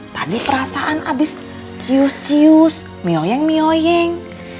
tadi perasaan habis cius cius meoyeng mioyeng